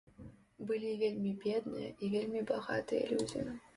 Былі вельмі бедныя і вельмі багатыя людзі.